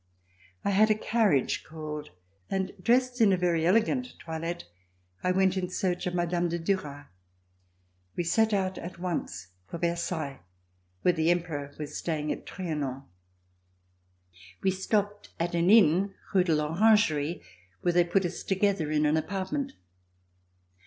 I had a carriage called and, dressed in a very elegant toilette, I went in search of Mme. de Duras. We set out at once for Versailles where the Emperor was staying at Trianon. We stopped at an inn, Rue de rOrangerie, where they put us together in an apartment.